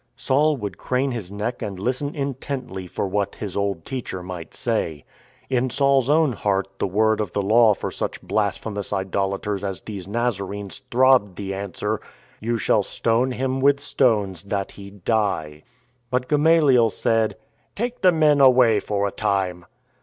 Saul would crane his neck and listen intently for what his old teacher might say. In Saul's own heart the word of the Law for such blasphemous idolators as these Nazarenes throbbed the answer: " You shall stone him with stones that he die." But Gamaliel said, " Take the men away for a time."